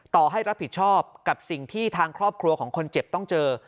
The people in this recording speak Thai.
ต่อให้รับผิดชอบกับสิ่งที่ทางครอบครัวของคนเจ็บต้องเจอ